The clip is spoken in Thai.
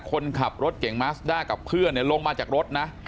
คนขับรถเก่งมัสด้ากับเพื่อนลงมาจากรถนะ